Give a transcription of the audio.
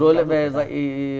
rồi lại về dạy